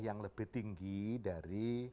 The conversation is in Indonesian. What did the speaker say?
yang lebih tinggi dari